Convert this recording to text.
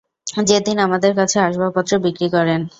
যেদিন আমাদের কাছে আসবাবপত্র বিক্রি করেন।